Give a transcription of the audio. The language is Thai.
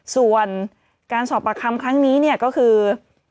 ส่วนการสอบปากคำครั้งนี้เนี่ยก็คือ